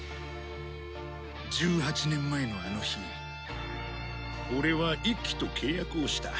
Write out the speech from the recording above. １８年前のあの日俺は一輝と契約をした。